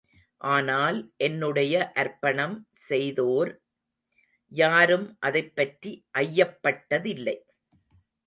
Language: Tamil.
ஆனால் என்னுடைய அர்ப்பணம் செய்தோர் யாரும் அதைப்பற்றி ஐயப்பட்டதில்லை.